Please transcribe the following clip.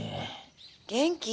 「元気？